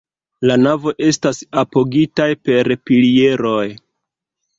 La navo estas apogitaj per pilieroj.